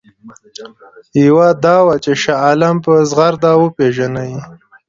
یوه دا وه چې شاه عالم په زغرده وپېژني.